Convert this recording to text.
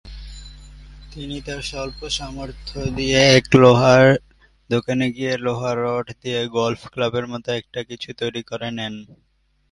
তিনি তার স্বল্প সামর্থ্য দিয়ে এক লোহার দোকানে গিয়ে লোহার রড দিয়ে গলফ ক্লাবের মতো একটা কিছু তৈরি করে নেন।